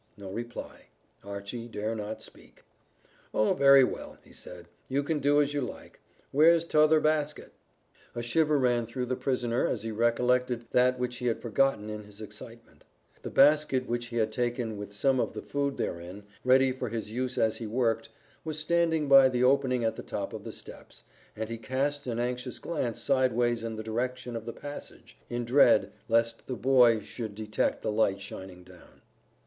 No reply; Archy dare not speak. "Oh, very well," he said, "you can do as you like. Where's t'other basket?" A shiver ran through the prisoner as he recollected that which he had forgotten in his excitement: the basket which he had taken with some of the food therein, ready for his use as he worked, was standing by the opening at the top of the steps, and he cast an anxious glance sidewise in the direction of the passage, in dread lest the boy should detect the light shining down.